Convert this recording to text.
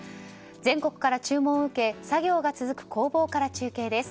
全国から注文を受け、作業が続く工房から中継です。